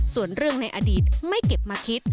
ส่วนเรื่องในอดีตไม่เก็บมาคิด